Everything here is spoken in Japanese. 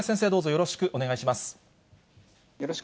よろしくお願いします。